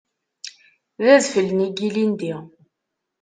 D adfel-nni n yilindi.